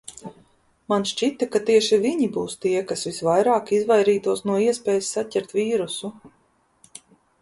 Man šķita, ka tieši viņi būs tie, kas visvairāk izvairītos no iespējas saķert vīrusu.